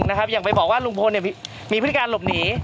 ไม่เป็นความจริงนะครับอย่างไปบอกว่าลุงพลเนี่ยมีพฤติการหลบหนี